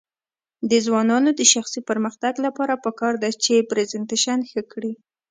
د ځوانانو د شخصي پرمختګ لپاره پکار ده چې پریزنټیشن ښه کړي.